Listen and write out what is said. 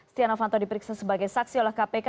setia novanto diperiksa sebagai saksi oleh kpk